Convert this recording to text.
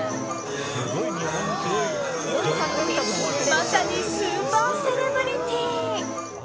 まさにスーパーセレブリティー！